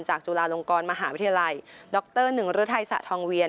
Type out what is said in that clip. จุฬาลงกรมหาวิทยาลัยดรหนึ่งฤทัยสะทองเวียน